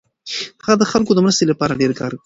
هغه د خلکو د مرستې لپاره ډېر کار وکړ.